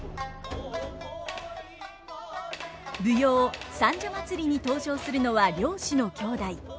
舞踊「三社祭」に登場するのは漁師の兄弟。